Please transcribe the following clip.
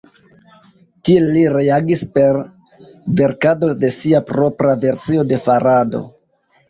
Tiel li reagis per verkado de sia propra versio de la farado.